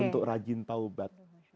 untuk rajin taubat